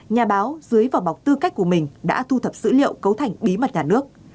nhà báo dưới vỏ bọc tư cách của mình đã thu thập dữ liệu cấu thành bí mật nhà nước